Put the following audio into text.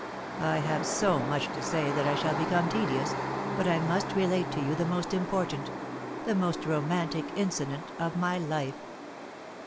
I have so much to say that I shall become tedious, but I must relate to you the most important the most romantic incident of my life.